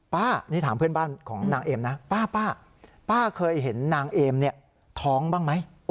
นี่ถามเพื่อนบ้านของนางเอมนะป้าป้าเคยเห็นนางเอมเนี่ยท้องบ้างไหม